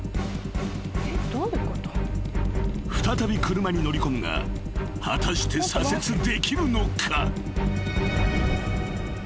［再び車に乗り込むが果たして左折できるのか？］